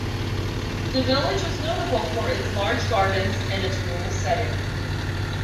The village was notable for its large gardens, and its rural setting.